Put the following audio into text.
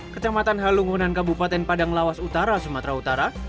kecamatan halungunan kabupaten padang lawas utara sumatera utara